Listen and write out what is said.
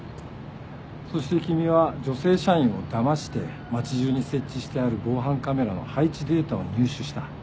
そして君は女性社員をだまして街中に設置してある防犯カメラの配置データを入手した。